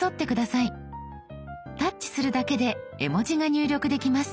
タッチするだけで絵文字が入力できます。